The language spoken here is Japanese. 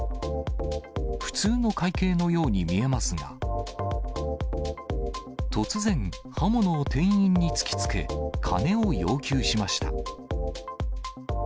普通の会計のように見えますが、突然、刃物を店員に突きつけ、金を要求しました。